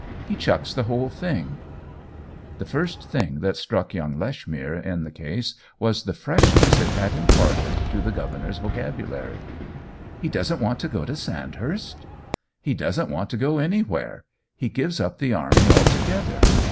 He chucks the whole thing !" The first thing that struck young Lech mere in the case was the freshness it had imparted to the governor's vocabulary. " He doesn't want to go to Sandhurst ?''" He doesn't want to go anywhere. He gives up the army altogether.